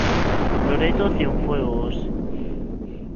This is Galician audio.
Loreto Cienfuegos.